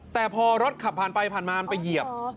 แต่พอรถขับผ่านไปผ่านมามันไปเหยียบ